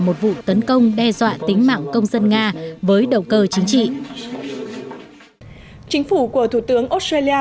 một vụ tấn công đe dọa tính mạng công dân nga với đầu cơ chính trị chính phủ của thủ tướng australia